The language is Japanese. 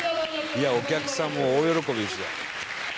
「いやお客さんも大喜びでしたよ」